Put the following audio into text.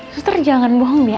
suster jangan bohong ya